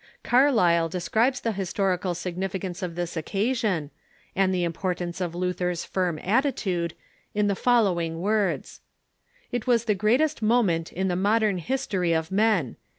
Carlyle describes the historical significance of this occasion, and the importance of Luther's firm attitude, in the following words :" It Avas the greatest moment in the modern history of men.